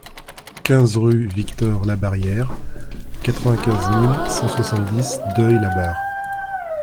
quinze rue Victor Labarrière, quatre-vingt-quinze mille cent soixante-dix Deuil-la-Barre